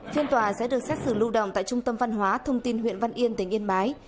phiên tòa sẽ được xét xử lưu động tại trung tâm văn hóa thông tin huyện văn yên tỉnh yên bái